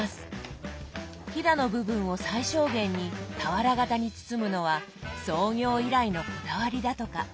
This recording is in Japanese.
ひだの部分を最小限に俵型に包むのは創業以来のこだわりだとか。